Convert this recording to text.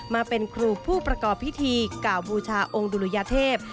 มาเป็นครูผู้ประกอบพิธีกล่าวบูชาองค์ดุลยเทพ